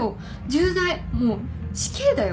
重罪もう死刑だよ。